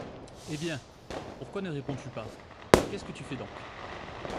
Eh bien! pourquoi ne réponds-tu pas? qu’est-ce que tu fais donc ?